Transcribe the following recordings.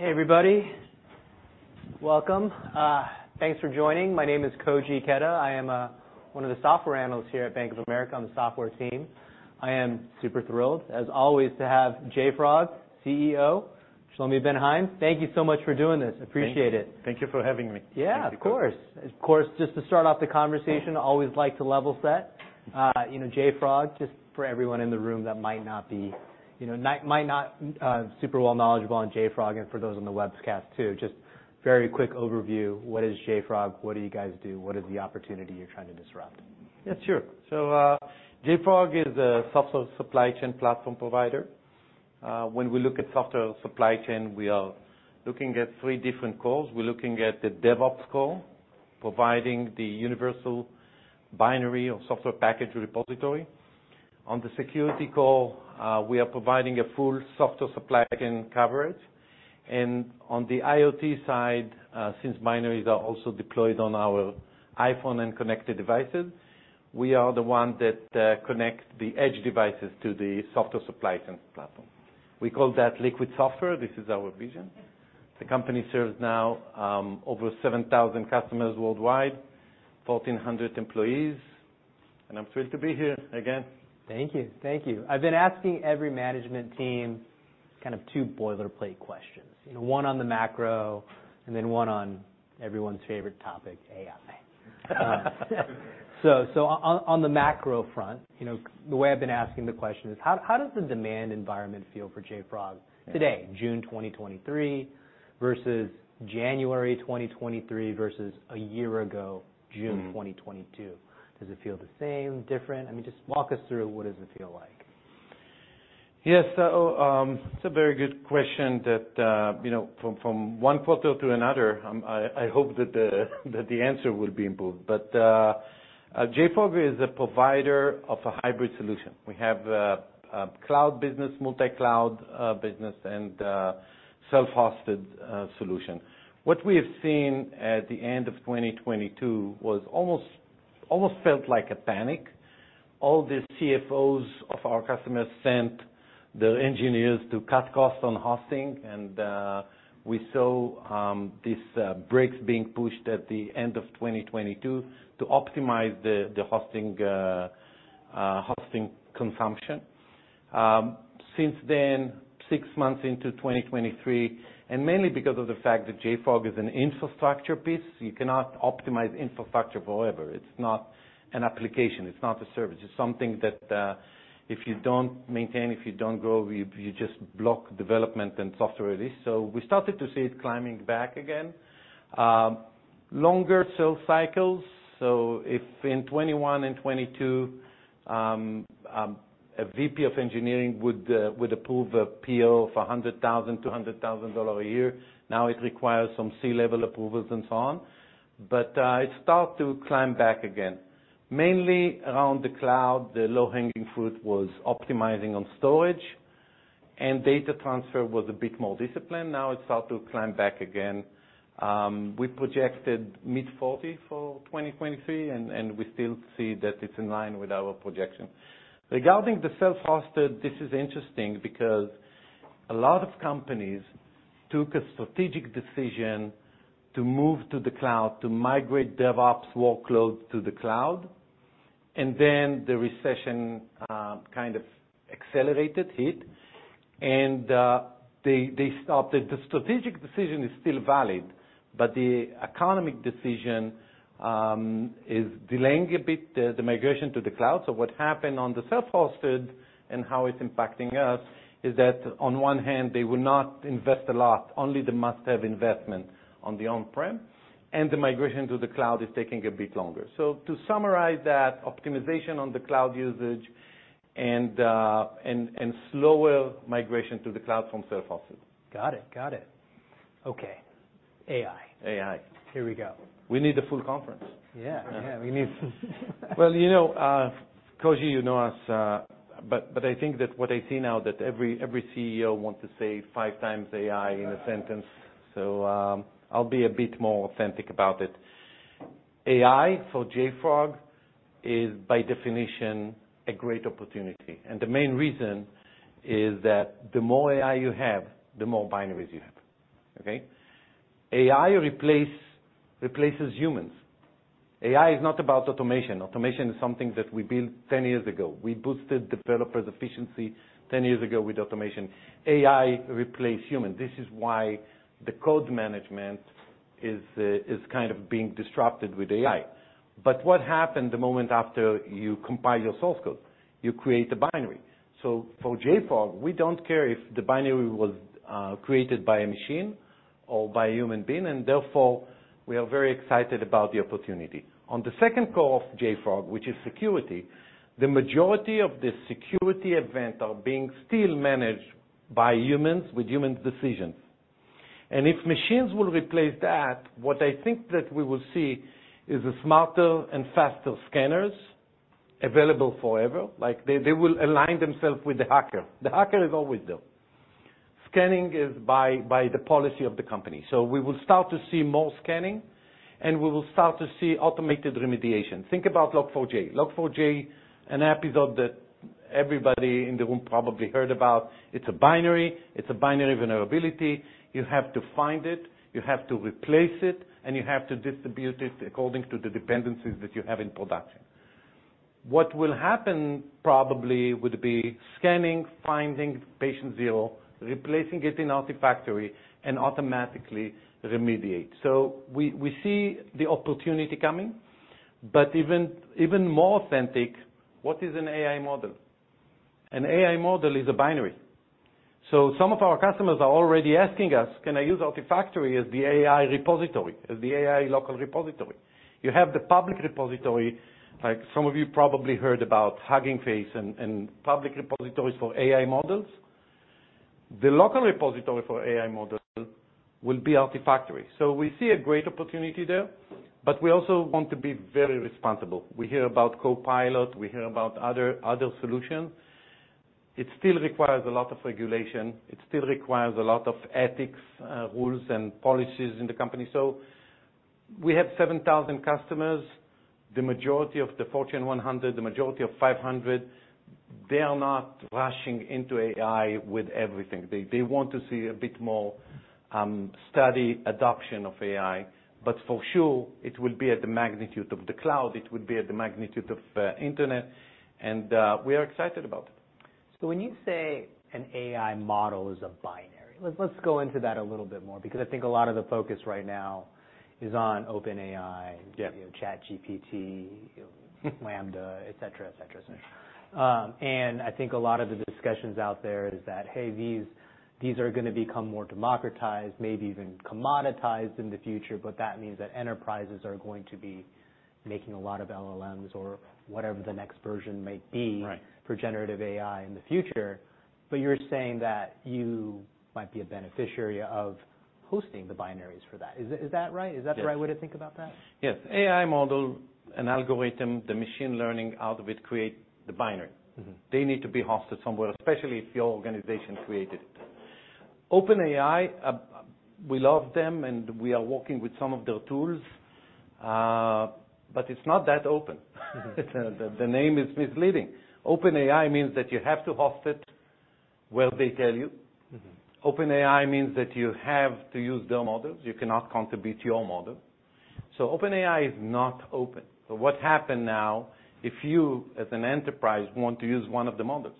Hey, everybody, welcome. Thanks for joining. My name is Koji Ikeda. I am one of the software analysts here at Bank of America on the software team. I am super thrilled, as always, to have JFrog CEO, Shlomi Ben Haim. Thank you so much for doing this. I appreciate it. Thank you for having me. Yeah, of course. Thank you. Of course, just to start off the conversation, I always like to level set. you know, JFrog, just for everyone in the room that might not be, you know, might not super well knowledgeable on JFrog, and for those on the webcast, too, just very quick overview, what is JFrog? What do you guys do? What is the opportunity you're trying to disrupt? Yeah, sure. JFrog is a software supply chain platform provider. When we look at software supply chain, we are looking at three different cores. We're looking at the DevOps core, providing the universal binary or software package repository. On the security core, we are providing a full software supply chain coverage. On the IoT side, since binaries are also deployed on our iPhone and connected devices, we are the one that connect the edge devices to the software supply chain platform. We call that Liquid Software. This is our vision. The company serves now over 7,000 customers worldwide, 1,400 employees, and I'm thrilled to be here again. Thank you. Thank you. I've been asking every management team kind of two boilerplate questions, you know, one on the macro and then one on everyone's favorite topic, AI. On the macro front, you know, the way I've been asking the question is: How does the demand environment feel for JFrog today, June 2023, versus January 2023, versus a year ago, June 2022? Mm-hmm. Does it feel the same? Different? I mean, just walk us through, what does it feel like? Yes, it's a very good question that, you know, from one quarter to another I hope that the answer will be improved. JFrog is a provider of a hybrid solution. We have a cloud business, multi-cloud business, and self-hosted solution. What we have seen at the end of 2022 was almost felt like a panic. All the CFOs of our customers sent their engineers to cut costs on hosting, and we saw these breaks being pushed at the end of 2022 to optimize the hosting consumption. Since then, six months into 2023, and mainly because of the fact that JFrog is an infrastructure piece, you cannot optimize infrastructure forever. It's not an application. It's not a service. It's something that, if you don't maintain, if you don't grow, you just block development and software release. We started to see it climbing back again. Longer sales cycles, if in 2021 and 2022, a VP of engineering would approve a PO of $100,000-$200,000 a year, now it requires some C-level approvals and so on. It start to climb back again. Mainly around the cloud, the low-hanging fruit was optimizing on storage, and data transfer was a bit more disciplined. It start to climb back again. We projected mid 40% for 2023, and we still see that it's in line with our projection. Regarding the self-hosted this is interesting because a lot of companies took a strategic decision to move to the cloud, to migrate DevOps workload to the cloud. The recession, kind of accelerated, hit, and they stopped it. The strategic decision is still valid but the economic decision is delaying a bit, the migration to the cloud. What happened on the self-hosted and how it's impacting us, is that on one hand, they will not invest a lot, only the must-have investment on the on-prem, and the migration to the cloud is taking a bit longer. To summarize that optimization on the cloud usage and slower migration to the cloud from self-hosted. Got it. Got it. Okay, AI. AI. Here we go. We need a full conference. Yeah, we need... Well, you know, Koji, you know us, but I think that what I see now that every CEO want to say five times AI in a sentence, so I'll be a bit more authentic about it. AI, for JFrog, is by definition, a great opportunity, and the main reason is that the more AI you have, the more binaries you have. Okay? AI replaces humans. AI is not about automation. Automation is something that we built 10 years ago. We boosted developers' efficiency 10 years ago with automation. AI replace human. This is why the code management is kind of being disrupted with AI. What happened the moment after you compile your source code? You create a binary. For JFrog, we don't care if the binary was created by a machine or by a human being, and therefore, we are very excited about the opportunity. On the second core of JFrog, which is security, the majority of the security event are being still managed by humans with human decisions. If machines will replace that what I think that we will see is a smarter and faster scanners available forever. Like, they will align themselves with the hacker. The hacker is always there. Scanning is by the policy of the company, so we will start to see more scanning and we will start to see automated remediation. Think about Log4j. Log4j, an episode that everybody in the room probably heard about. It's a binary vulnerability. You have to find it, you have to replace it, and you have to distribute it according to the dependencies that you have in production. What will happen probably, would be scanning, finding patient zero, replacing it in Artifactory, and automatically remediate. We see the opportunity coming, but even more authentic, what is an AI model? An AI model is a binary. Some of our customers are already asking us: Can I use Artifactory as the AI repository, as the AI local repository? You have the public repository, like some of you probably heard about Hugging Face and public repositories for AI models. The local repository for AI models will be Artifactory. We see a great opportunity there, but we also want to be very responsible. We hear about Copilot, we hear about other solutions. It still requires a lot of regulation, it still requires a lot of ethics, rules, and policies in the company. We have 7,000 customers, the majority of the Fortune 100, the majority of 500, they are not rushing into AI with everything. They want to see a bit more, study adoption of AI. For sure, it will be at the magnitude of the cloud, it will be at the magnitude of internet, and we are excited about it. When you say an AI model is a binary, let's go into that a little bit more, because I think a lot of the focus right now is on OpenAI- Yep. You know, ChatGPT, you know, LaMDA, et cetera, et cetera, et cetera. I think a lot of the discussions out there is that, hey, these are gonna become more democratized, maybe even commoditized in the future, but that means that enterprises are going to be making a lot of LLMs or whatever the next version might be. Right for generative AI in the future. You're saying that you might be a beneficiary of hosting the binaries for that. Is that right? Yes. Is that the right way to think about that? Yes. AI model, an algorithm, the machine learning out of it, create the binary. Mm-hmm. They need to be hosted somewhere, especially if your organization created it. OpenAI, we love them, and we are working with some of their tools, but it's not that open. The the name is misleading. OpenAI means that you have to host it where they tell you. Mm-hmm. OpenAI means that you have to use their models, you cannot contribute your model. OpenAI is not open. What happened now, if you, as an enterprise, want to use one of the models,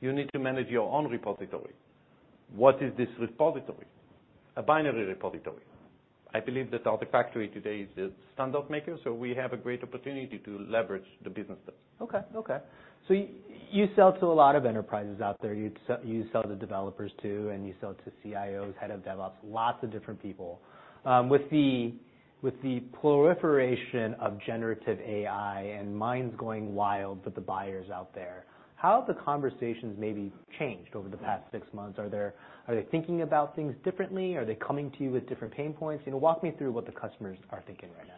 you need to manage your own repository. What is this repository? A binary repository. I believe that Artifactory today is the standard maker, so we have a great opportunity to leverage the business there. Okay. Okay. you sell to a lot of enterprises out there. You sell to developers too, and you sell to CIOs, head of DevOps, lots of different people. with the proliferation of generative AI, and minds going wild with the buyers out there, how have the conversations maybe changed over the past six months? Are they thinking about things differently? Are they coming to you with different pain points? You know, walk me through what the customers are thinking right now.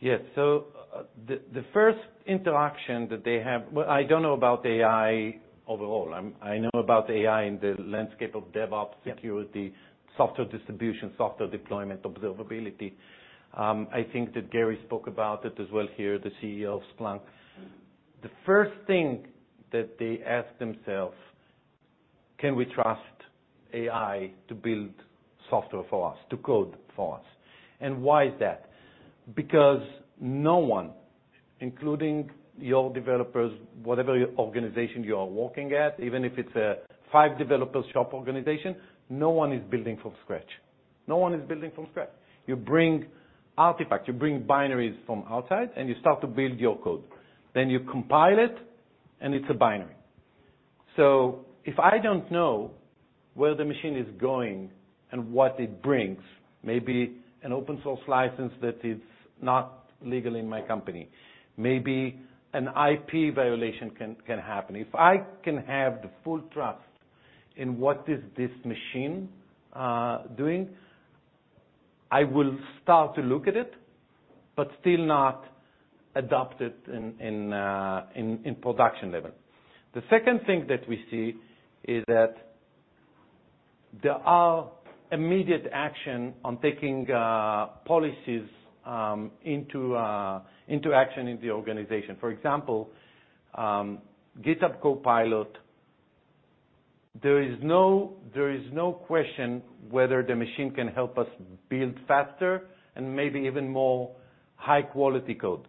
Yes. The first interaction that they have... Well, I don't know about AI overall. I know about AI in the landscape of DevOps, security- Yep... software distribution, software deployment, observability. I think that Gary spoke about it as well here, the CEO of Splunk. The first thing that they ask themselves: Can we trust AI to build software for us, to code for us? Why is that? Because no one, including your developers, whatever organization you are working at, even if it's a five developer shop organization, no one is building from scratch. No one is building from scratch. You bring artifacts, you bring binaries from outside, and you start to build your code. You compile it, and it's a binary. If I don't know where the machine is going and what it brings, maybe an open source license that is not legal in my company, maybe an IP violation can happen. If I can have the full trust in what is this machine doing, I will start to look at it, but still not adopt it in production level. The second thing that we see is that there are immediate action on taking policies into action in the organization. For example, GitHub Copilot, there is no question whether the machine can help us build faster and maybe even more high-quality code.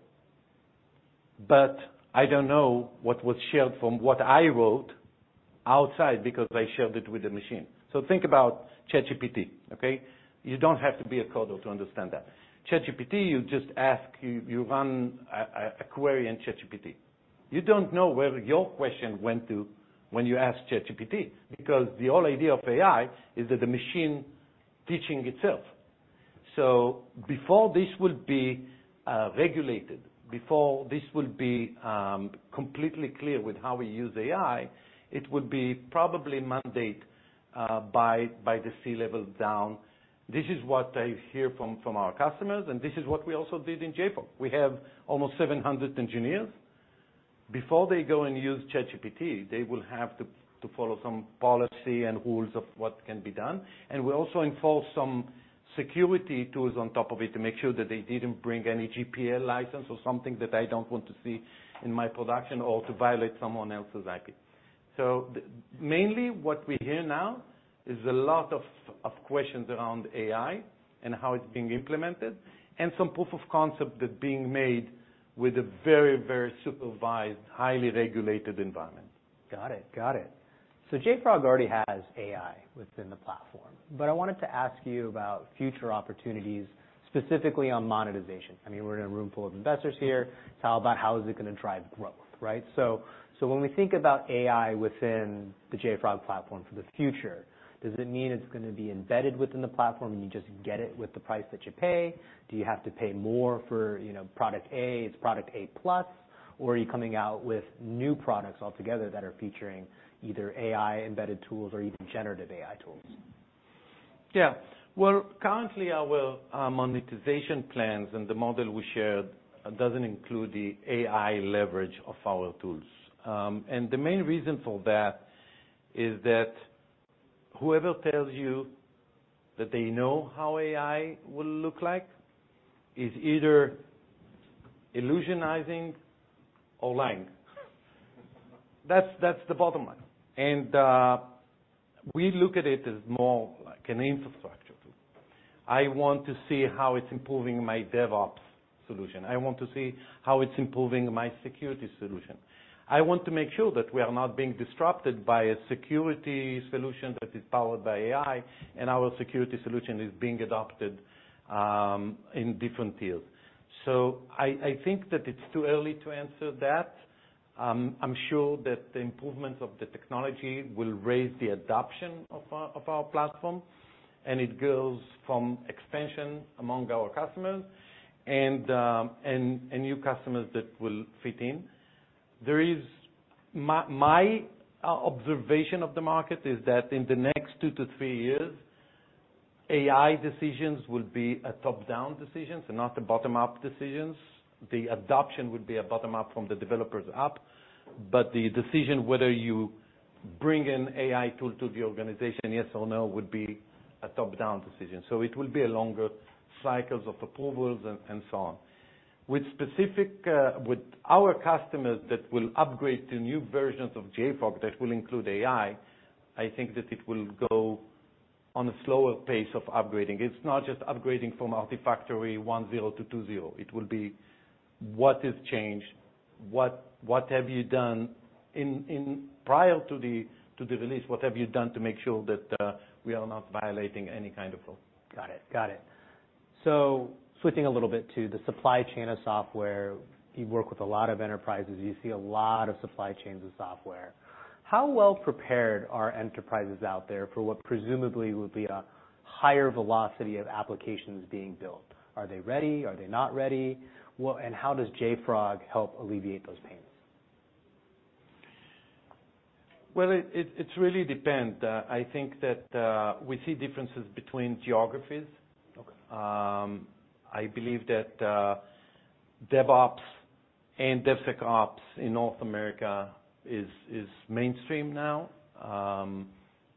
I don't know what was shared from what I wrote outside because I shared it with the machine. Think about ChatGPT, okay? You don't have to be a coder to understand that. ChatGPT, you just ask, you run a query in ChatGPT. You don't know where your question went to when you ask ChatGPT, because the whole idea of AI is that the machine teaching itself. Before this will be regulated, before this will be completely clear with how we use AI it would be probably mandate by the C-level down. This is what I hear from our customers. This is what we also did in JFrog. We have almost 700 engineers before they go and use ChatGPT, they will have to follow some policy and rules of what can be done. We also enforce some security tools on top of it to make sure that they didn't bring any GPL license or something that I don't want to see in my production, or to violate someone else's IP. Mainly what we hear now is a lot of questions around AI and how it's being implemented and some proof of concept that being made with a very supervised, highly regulated environment. Got it. Got it. JFrog already has AI within the platform, but I wanted to ask you about future opportunities, specifically on monetization. I mean, we're in a room full of investors here. Tell about how is it gonna drive growth, right? When we think about AI within the JFrog platform for the future, does it mean it's gonna be embedded within the platform, and you just get it with the price that you pay? Do you have to pay more for, you know, product A, it's product A plus, or are you coming out with new products altogether that are featuring either AI embedded tools or even generative AI tools? Yeah. Well, currently, our monetization plans and the model we shared doesn't include the AI leverage of our tools. The main reason for that is that whoever tells you that they know how AI will look like is either illusionizing or lying. That's the bottom line. We look at it as more like an infrastructure tool. I want to see how it's improving my DevOps solution. I want to see how it's improving my security solution. I want to make sure that we are not being disrupted by a security solution that is powered by AI and our security solution is being adopted in different tiers. I think that it's too early to answer that. I'm sure that the improvements of the technology will raise the adoption of our platform. It goes from expansion among our customers and new customers that will fit in. My observation of the market is that in the next two to three years, AI decisions will be a top-down decisions and not a bottom-up decisions. The adoption will be a bottom-up from the developers up. The decision whether you bring in AI tool to the organization, yes or no, would be a top-down decision. It will be a longer cycles of approvals and so on. With specific with our customers that will upgrade to new versions of JFrog that will include AI, I think that it will go on a slower pace of upgrading. It's not just upgrading from Artifactory 1.0 to 2.0. It will be, what is changed? What have you done? Prior to the release, what have you done to make sure that we are not violating any kind of rule? Got it. Switching a little bit to the supply chain of software, you work with a lot of enterprises, you see a lot of supply chains of software. How well prepared are enterprises out there for what presumably would be a higher velocity of applications being built? Are they ready? Are they not ready? What and how does JFrog help alleviate those pains? Well, it really depends. I think that, we see differences between geographies. Okay. I believe that DevOps and DevSecOps in North America is mainstream now,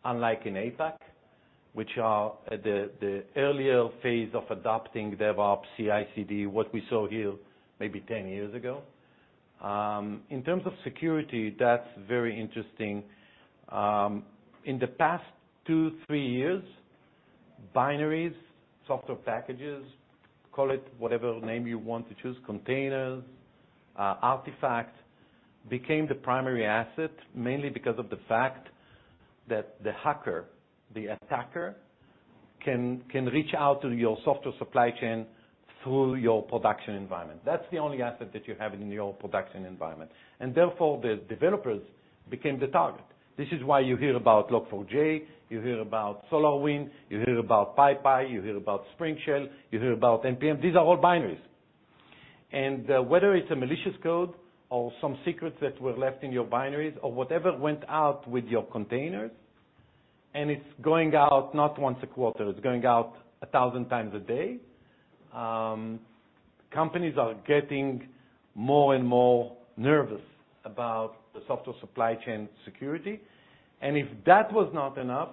unlike in APAC, which are at the earlier phase of adopting DevOps, CICD, what we saw here maybe 10 years ago. In terms of security, that's very interesting. In the past two, three years, binaries, software packages, call it whatever name you want to choose, containers, artifacts, became the primary asset, mainly because of the fact that the hacker, the attacker can reach out to your software supply chain through your production environment. That's the only asset that you have in your production environment, and therefore the developers became the target. This is why you hear about Log4j, you hear about SolarWinds, you hear about PyPI, you hear about SpringShell, you hear about npm. These are all binaries. Whether it's a malicious code or some secrets that were left in your binaries or whatever went out with your containers, and it's going out not once a quarter, it's going out 1,000 times a day, companies are getting more and more nervous about the software supply chain security. If that was not enough,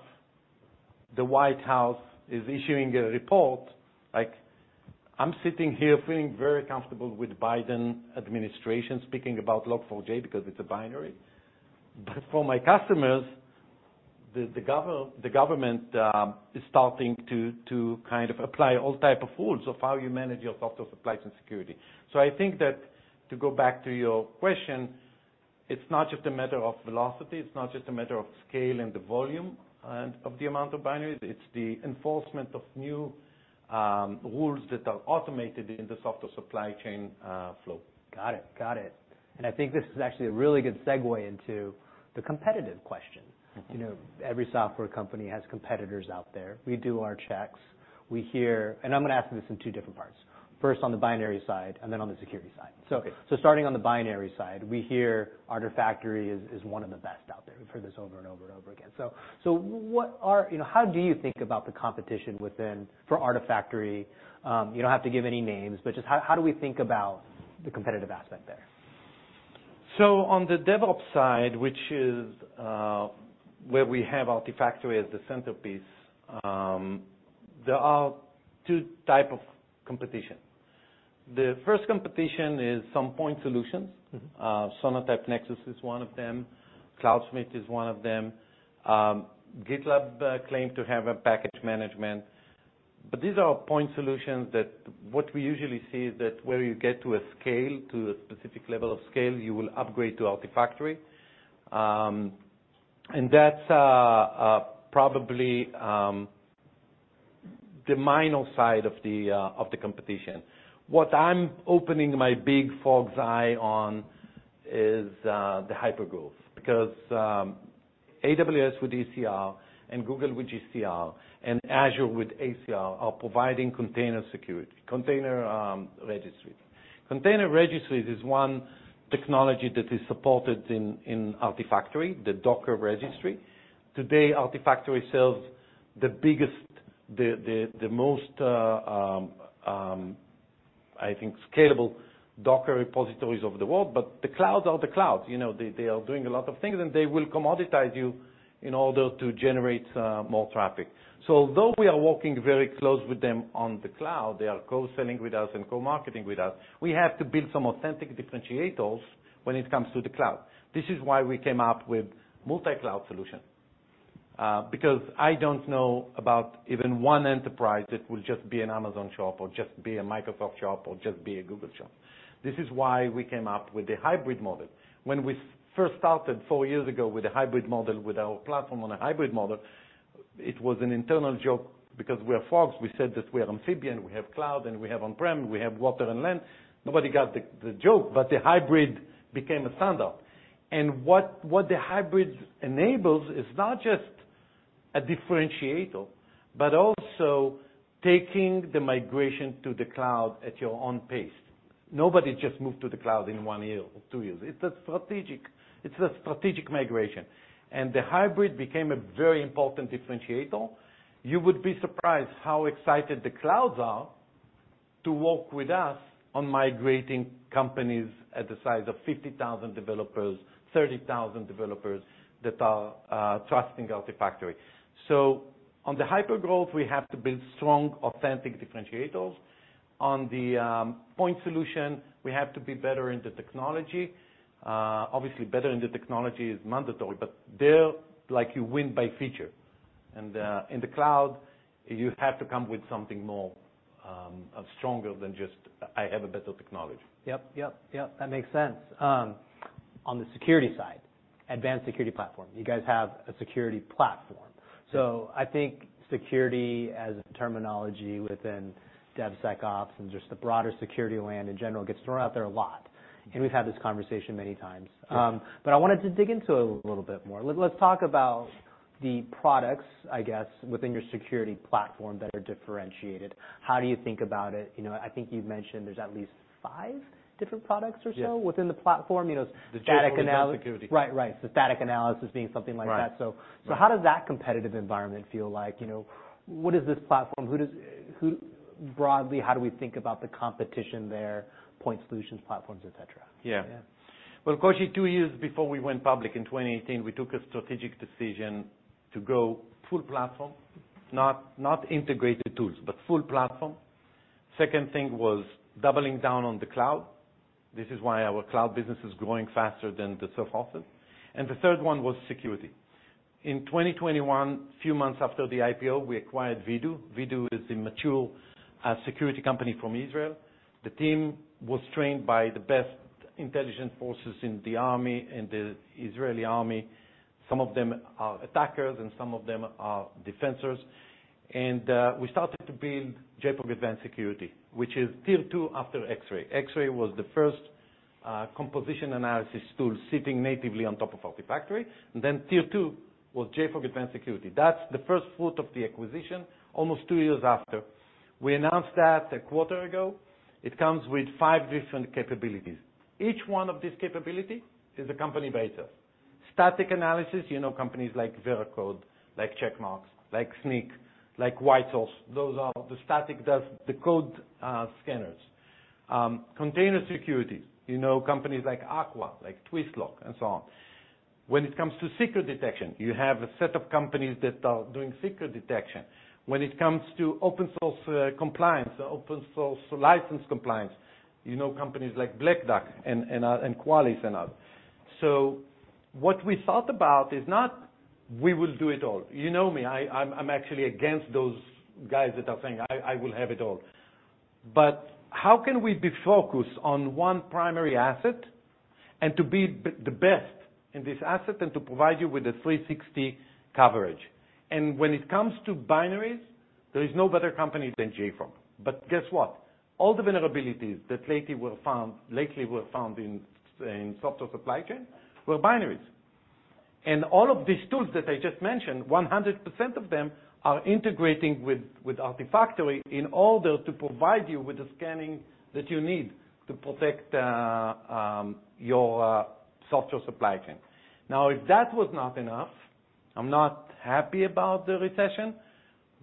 the White House is issuing a report, like, I'm sitting here feeling very comfortable with Biden administration speaking about Log4j because it's a binary. But for my customers, the government is starting to kind of apply all type of rules of how you manage your software supply chain security. I think that, to go back to your question, it's not just a matter of velocity, it's not just a matter of scale and the volume of the amount of binaries, it's the enforcement of new rules that are automated in the software supply chain flow. Got it. I think this is actually a really good segue into the competitive question. Mm-hmm. You know every software company has competitors out there. We do our checks, we hear. I'm gonna ask you this in two different parts. First, on the binary side, and then on the security side. Okay. Starting on the binary side, we hear Artifactory is one of the best out there. We've heard this over and over and over again. What are, you know, how do you think about the competition within, for Artifactory? You don't have to give any names, but just how do we think about the competitive aspect there? On the DevOps side, which is, where we have Artifactory as the centerpiece, there are 2 type of competition. The first competition is some point solutions. Mm-hmm. Sonatype Nexus is one of them, Cloudsmith is one of them. GitLab claim to have a package management, but these are point solutions that what we usually see is that where you get to a scale, to a specific level of scale, you will upgrade to Artifactory. That's probably the minor side of the competition. What I'm opening my big fog's eye on is the hypergrowth, because AWS with ECR and Google with GCR and Azure with ACR are providing container security, container registry. Container registries is one technology that is supported in Artifactory, the Docker registry. Today, Artifactory sells the biggest, the most, I think, scalable Docker repositories of the world. The clouds are the clouds, you know, they are doing a lot of things, and they will commoditize you in order to generate more traffic. Although we are working very close with them on the cloud, they are co-selling with us and co-marketing with us, we have to build some authentic differentiators when it comes to the cloud. This is why we came up with multi-cloud solution because I don't know about even one enterprise that will just be an Amazon shop or just be a Microsoft shop or just be a Google shop. This is why we came up with the hybrid model. When we first started four years ago with a hybrid model, with our platform on a hybrid model it was an internal joke because we are frogs. We said that we are amphibian, we have cloud and we have on-prem, we have water and land. Nobody got the joke, but the hybrid became a standard. What the hybrid enables is not just a differentiator, but also taking the migration to the cloud at your own pace. Nobody just moved to the cloud in one year or two years. It's a strategic migration, and the hybrid became a very important differentiator. You would be surprised how excited the clouds are to work with us on migrating companies at the size of 50,000 developers, 30,000 developers, that are trusting Artifactory. On the hypergrowth, we have to build strong, authentic differentiators. On the point solution, we have to be better in the technology. Obviously, better in the technology is mandatory, but there, like, you win by feature, and in the cloud, you have to come with something more stronger than just, "I have a better technology. Yep, that makes sense. On the security side, advanced security platform, you guys have a security platform. I think security as a terminology within DevSecOps and just the broader security land in general, gets thrown out there a lot, and we've had this conversation many times. Yeah. I wanted to dig into it a little bit more. Let's talk about the products, I guess, within your security platform that are differentiated. How do you think about it? You know, I think you've mentioned there's at least five different products or so. Yes within the platform, you know, static analysis. The JFrog Advanced Security. Right, right. The static analysis being something like that. Right. So how does that competitive environment feel like? You know, what is this platform? Who broadly, how do we think about the competition there, point solutions, platforms, et cetera? Yeah. Yeah. Well, of course, in two years before we went public in 2018, we took a strategic decision to go full platform, not integrated tools, but full platform. Second thing was doubling down on the cloud. This is why our cloud business is growing faster than the software office. The third one was security. In 2021, few months after the IPO, we acquired Vdoo. Vdoo is a mature security company from Israel. The team was trained by the best intelligence forces in the army, in the Israeli army. Some of them are attackers and some of them are defensors. We started to build JFrog Advanced Security, which is Tier two after Xray. Xray was the first composition analysis tool sitting natively on top of Artifactory. Then Tier two was JFrog Advanced Security. That's the first fruit of the acquisition, almost two years after. We announced that a quarter ago. It comes with five different capabilities. Each one of this capability is a company beta. Static analysis, you know, companies like Veracode, like Checkmarx, like Snyk, like WhiteSource, those are the static, the code scanners. Container security, you know, companies like Aqua, like Twistlock, and so on. When it comes to secret detection you have a set of companies that are doing secret detection. When it comes to open source compliance, open source license compliance, you know, companies like Black Duck and Qualys and others. What we thought about is not, we will do it all. You know me, I'm actually against those guys that are saying, "I will have it all." How can we be focused on one primary asset and to be the best in this asset and to provide you with a 360 coverage? When it comes to binaries, there is no better company than JFrog. Guess what? All the vulnerabilities that lately were found in software supply chain, were binaries. All of these tools that I just mentioned, 100% of them are integrating with Artifactory in order to provide you with the scanning that you need to protect your software supply chain. If that was not enough... I'm not happy about the recession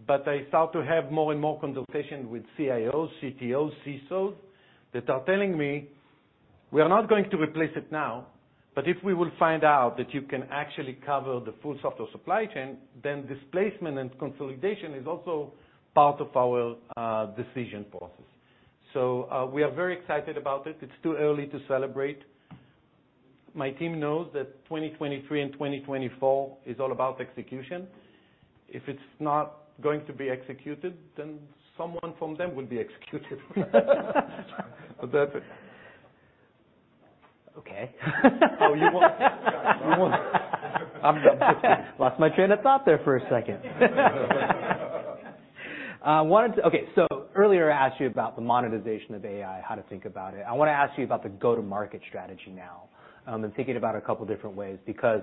but I start to have more and more consultation with CIO, CTO, CISO, that are telling me, "We are not going to replace it now, but if we will find out that you can actually cover the full software supply chain then displacement and consolidation is also part of our decision process." We are very excited about it. It's too early to celebrate. My team knows that 2023 and 2024 is all about execution. If it's not going to be executed, then someone from them will be executed. Okay. Oh, you want. Lost my train of thought there for a second. Earlier, I asked you about the monetization of AI, how to think about it. I wanna ask you about the go-to-market strategy now, and thinking about a couple different ways, because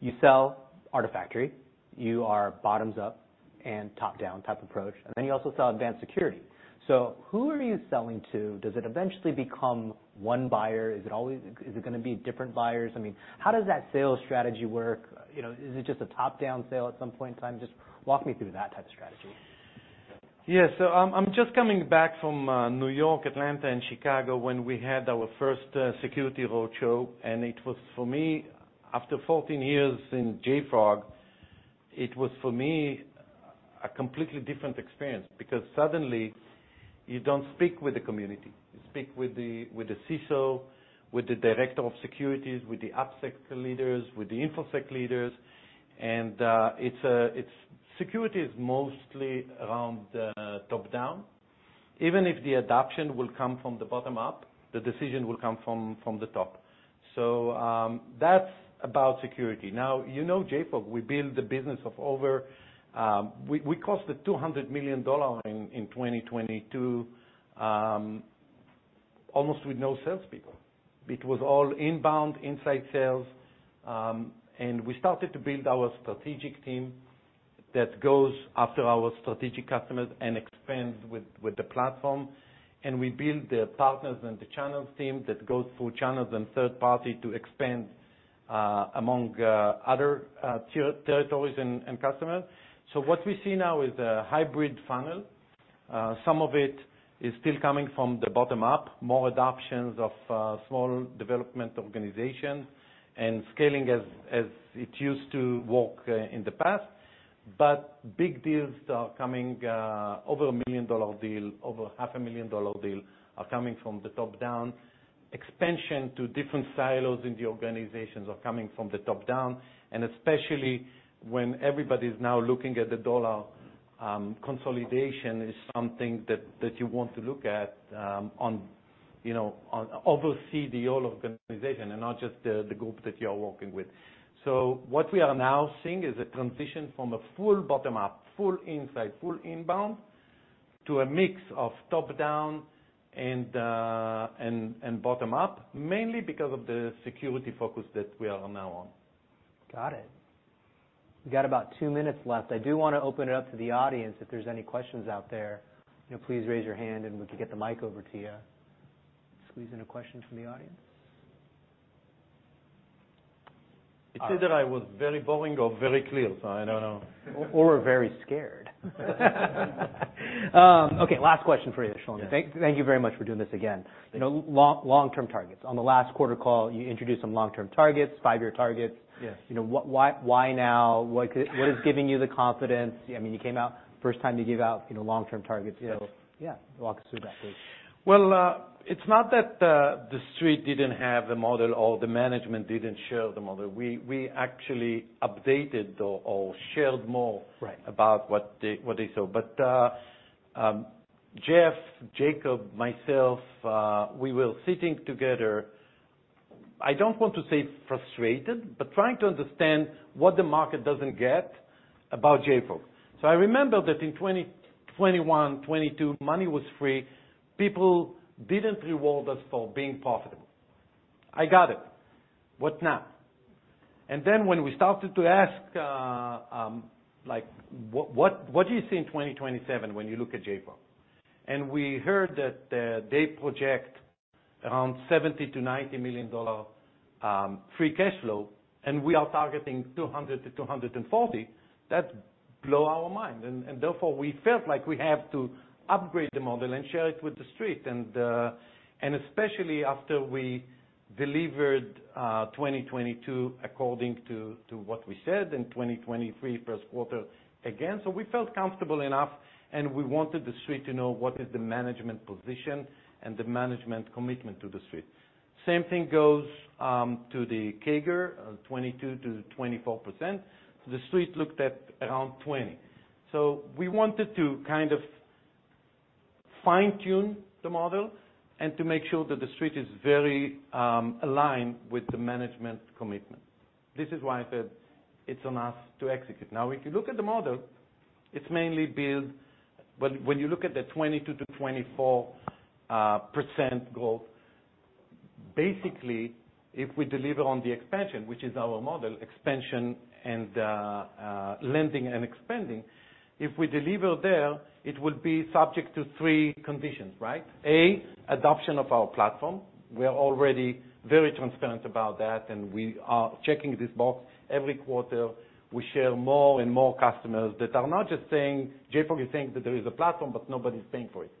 you sell Artifactory, you are bottoms up and top-down type approach, and then you also sell Advanced Security. Who are you selling to? Does it eventually become one buyer? Is it gonna be different buyers? I mean, how does that sales strategy work? You know, is it just a top-down sale at some point in time? Just walk me through that type of strategy. Yes. I'm just coming back from New York, Atlanta, and Chicago, when we had our first security roadshow, and it was, for me, after 14 years in JFrog, it was, for me a completely different experience because suddenly, you don't speak with the community, you speak with the CISO, with the director of securities, with the AppSec leaders, with the InfoSec leaders, and it's a, security is mostly around top-down. Even if the adoption will come from the bottom up, the decision will come from the top. That's about security. Now, you know JFrog, we build the business of over, we cost the $200 million in 2022, almost with no salespeople. It was all inbound, inside sales, we started to build our strategic team, that goes after our strategic customers and expands with the platform. We build the partners and the channels team that goes through channels and third party to expand among territories and customers. What we see now is a hybrid funnel. Some of it is still coming from the bottom up, more adoptions of small development organization and scaling as it used to work in the past. Big deals are coming, over a $1 million deal, over half a million dollar deal are coming from the top down. Expansion to different silos in the organizations are coming from the top down, and especially when everybody is now looking at the dollar, consolidation is something that you want to look at, you know, oversee the whole organization and not just the group that you're working with. What we are now seeing is a transition from a full bottom up, full inside, full inbound, to a mix of top down and bottom up, mainly because of the security focus that we are now on. Got it. We got about two minutes left. I do wanna open it up to the audience, if there's any questions out there, you know, please raise your hand and we can get the mic over to you. Squeeze in a question from the audience? It said that I was very boring or very clear, so I don't know. Very scared. Okay, last question for you, Shlomi. Yeah. Thank you very much for doing this again. Thank you. You know, long-term targets. On the last quarter call, you introduced some long-term targets, five-year targets. Yes. You know, why now? What is giving you the confidence? I mean, first time you gave out, you know, long-term targets. Yes. Yeah, walk us through that, please. Well, it's not that, the street didn't have the model or the management didn't share the model. We actually updated or shared more-. Right... about what they saw. Jeff, Jacob, myself, we were sitting together. I don't want to say frustrated, but trying to understand what the market doesn't get about JFrog. I remember that in 2021, 2022, money was free people didn't reward us for being profitable. I got it. What now? When we started to ask, like, "What do you see in 2027 when you look at JFrog?" We heard that they project around $70 million-$90 million free cash flow, and we are targeting $200 million-$240 million. That blow our mind. Therefore, we felt like we have to upgrade the model and share it with the street. Especially after we delivered 2022 according to what we said in 2023 first quarter again. We felt comfortable enough and we wanted the street to know what is the management position and the management commitment to the street. Same thing goes to the CAGR, 22%-24%. The street looked at around 20%. We wanted to kind of fine-tune the model and to make sure that the street is very aligned with the management commitment. This is why I said it's on us to execute. If you look at the model, it's mainly built. When you look at the 22%-24% growth basically, if we deliver on the expansion, which is our model, expansion and lending and expanding, if we deliver there, it would be subject to three conditions, right? Adoption of our platform. We are already very transparent about that. We are checking this box. Every quarter, we share more and more customers that are not just saying, "JFrog is saying that there is a platform, but nobody's paying for it."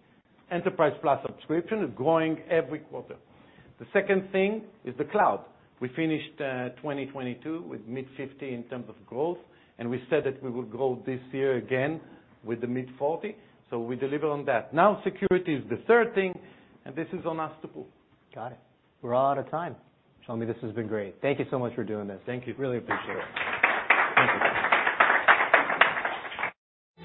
Enterprise Plus subscription is growing every quarter. The second thing is the cloud. We finished 2022 with mid-50% in terms of growth. We said that we would grow this year again with the mid-40%. We deliver on that. Security is the third thing. This is on us to pull. Got it. We're all out of time. Shlomi, this has been great. Thank you so much for doing this. Thank you. Really appreciate it. Thank you.